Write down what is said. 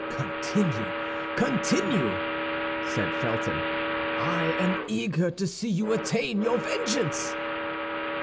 "Continue, continue!" said Felton; "I am eager to see you attain your vengeance!"